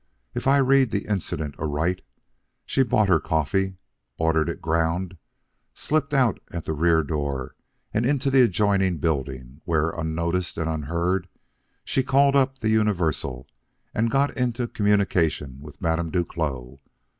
If I read the incident aright, she bought her coffee, ordered it ground, slipped out at the rear door and into the adjoining building, where, unnoticed and unheard, she called up the Universal and got into communication with Madame Duclos.